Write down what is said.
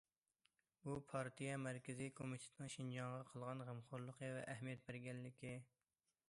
بۇ، پارتىيە مەركىزىي كومىتېتىنىڭ شىنجاڭغا قىلغان غەمخورلۇقى ۋە ئەھمىيەت بەرگەنلىكى.